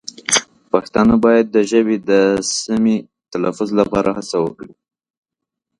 پښتانه باید د ژبې د سمې تلفظ لپاره هڅه وکړي.